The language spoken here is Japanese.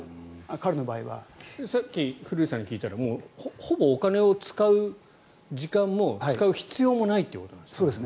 さっき古内さんに聞いたらほぼお金を使う時間も使う必要もないってことですよね。